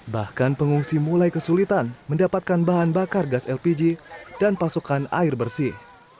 bahkan pengungsi mulai kesulitan mendapatkan bahan bakar gas lpg dan pasokan air bersih